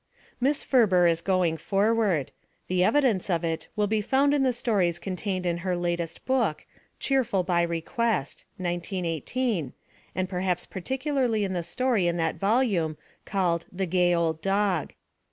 Miss Ferber is going forward. The evidence of it will be found in the stories contained in her latest book, Cheerful By Request (1918) and perhaps par ticularly in the story in that volume called The Gay Old Dog.